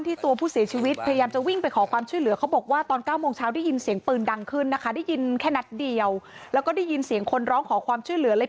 ตัวผู้เสียชีวิตพยายามจะวิ่งไปขอความช่วยเหลือเขาบอกว่าตอน๙โมงเช้าได้ยินเสียงปืนดังขึ้นนะคะได้ยินแค่นัดเดียวแล้วก็ได้ยินเสียงคนร้องขอความช่วยเหลือเลย